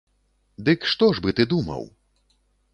Дык што ж бы ты думаў?